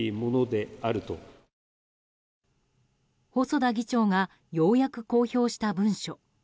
細田議長がようやく公表した文書。